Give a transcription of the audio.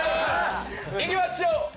いきましょう。